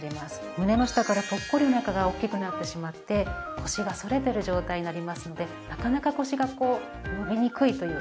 胸の下からポッコリお腹が大きくなってしまって腰が反れてる状態になりますのでなかなか腰が伸びにくいというタイプになります。